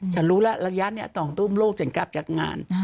ฉันรู้แล้วระยะนี้ต้องตู้มรูปฉันกลับจากงาน